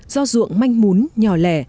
do ruộng manh mún nhò lẻ